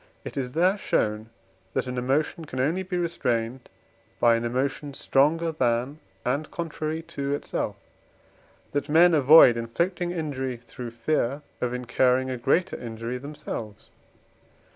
It is there shown, that an emotion can only be restrained by an emotion stronger than, and contrary to itself, and that men avoid inflicting injury through fear of incurring a greater injury themselves.